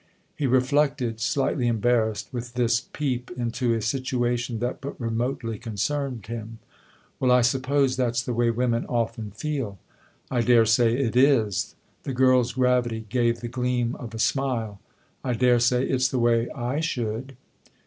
He reflected, slightly embarrassed with this peep into a situation that but remotely concerned him. " Well, I suppose that's the way women often feel." " I daresay it is." The girl's gravity gave the gleam of a smile. " I daresay it's the way / should."